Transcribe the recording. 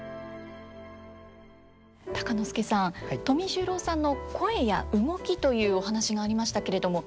鷹之資さん富十郎さんの声や動きというお話がありましたけれども。